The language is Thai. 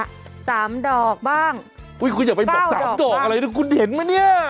๓ดอกบ้าง๙ดอกบ้างคุณอย่าไปบอก๓ดอกอะไรนะคุณเห็นไหมเนี่ย